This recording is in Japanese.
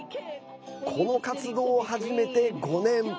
この活動を始めて５年。